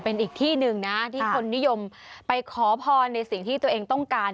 เป็นอีกที่หนึ่งนะที่คนนิยมไปขอพรในสิ่งที่ตัวเองต้องการ